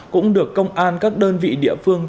cũng được công an các đơn vị địa phương